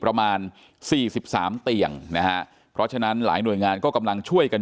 ประมาณสี่สิบสามเตียงนะฮะเพราะฉะนั้นหลายหน่วยงานก็กำลังช่วยกัน